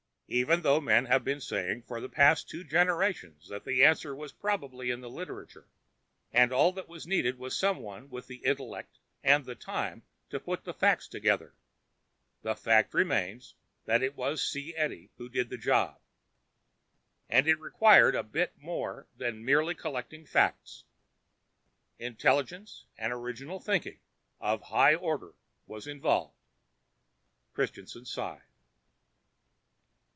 "Even though men have been saying for the past two generations that the answer was probably in the literature and all that was needed was someone with the intelligence and the time to put the facts together, the fact remains that it was C. Edie who did the job. And it required quite a bit more than merely collecting facts. Intelligence and original thinking of a high order was involved." Christianson sighed.